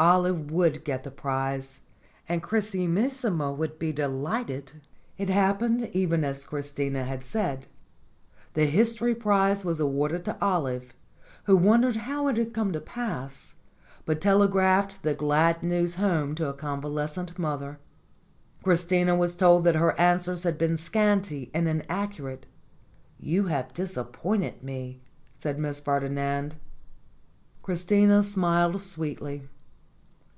Olive would get the prize, and Chrisimis sima would be delighted. It happened even as Christina had said. The his tory prize was awarded to Olive, who wondered how it had come to pass, but telegraphed the glad news home to a convalescent mother. Christina was told that her answers had been scanty and inaccurate. "You have disappointed me," said Miss Ferdinand. Christina smiled sweetly.